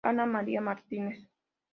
Ana María Martínez.